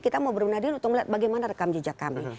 kita mau berbenah diri untuk melihat bagaimana rekam jejak kami